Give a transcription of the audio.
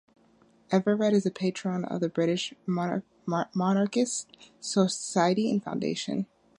Everett is a patron of the British Monarchist Society and Foundation.